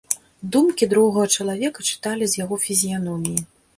Думкі другога чалавека чыталі з яго фізіяноміі.